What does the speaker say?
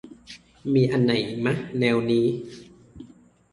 มีอันไหนอีกมะ แนวนี้